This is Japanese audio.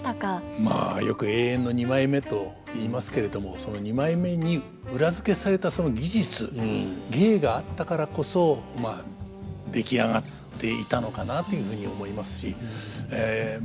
まあよく永遠の二枚目と言いますけれどもその二枚目に裏付けされたその技術芸があったからこそまあ出来上がっていたのかなというふうに思いますしま